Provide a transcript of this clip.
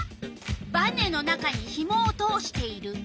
バネの中にひもを通している。